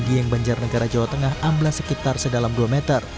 di yang banjar negara jawa tengah ambles sekitar sedalam dua meter